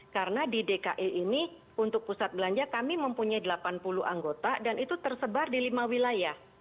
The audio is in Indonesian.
karena di dki ini untuk pusat belanja kami mempunyai delapan puluh anggota dan itu tersebar di lima wilayah